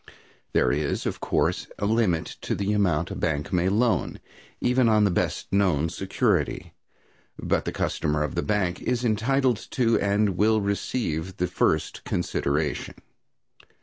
There is, of course, a limit to the amount a bank may loan, even on the best known security, but the customer of the bank is entitled to and will receive the first consideration.